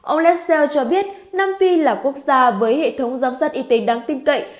ông lesseel cho biết nam phi là quốc gia với hệ thống giám sát y tế đáng tin cậy